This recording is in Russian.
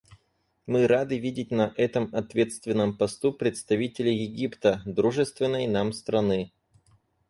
Мы рады видеть на этом ответственном посту представителя Египта − дружественной нам страны.